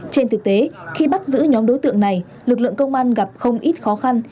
trên thực tế khi bắt giữ nhóm đối tượng này lực lượng công an gặp không ít khó khăn